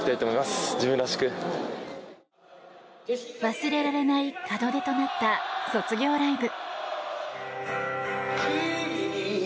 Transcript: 忘れられない門出となった卒業ライブ。